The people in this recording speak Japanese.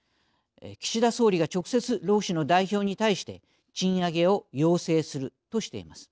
岸田総理が直接労使の代表に対して賃上げを要請するとしています。